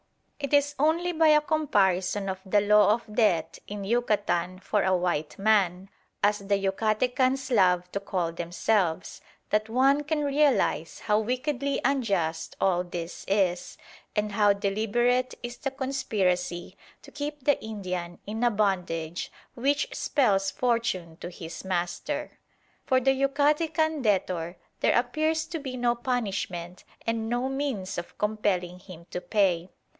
It is only by a comparison of the law of debt in Yucatan for a white man, as the Yucatecans love to call themselves, that one can realise how wickedly unjust all this is, and how deliberate is the conspiracy to keep the Indian in a bondage which spells fortune to his master. For the Yucatecan debtor there appears to be no punishment and no means of compelling him to pay.